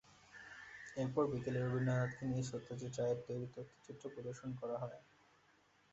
এরপর বিকেলে রবীন্দ্রনাথকে নিয়ে সত্যজিৎ রায়ের তৈরি তথ্যচিত্র প্রদর্শন করা হয়।